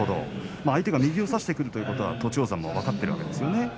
相手が右を差してくるということは栃煌山も分かっているんですよね。